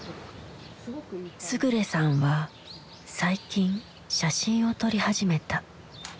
勝さんは最近写真を撮り始めた。